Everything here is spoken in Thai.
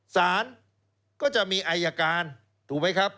สารก็จะมีอายการถูกไหมครับ